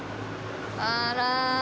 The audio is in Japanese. あら！